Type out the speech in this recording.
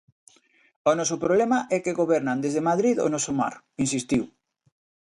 O noso problema é que gobernan desde Madrid o noso mar, insistiu.